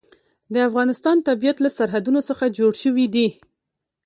د افغانستان طبیعت له سرحدونه څخه جوړ شوی دی.